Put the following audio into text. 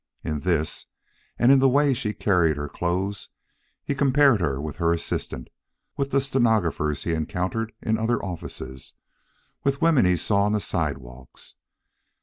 In this, and in the way she carried her clothes, he compared her with her assistant, with the stenographers he encountered in other offices, with the women he saw on the sidewalks.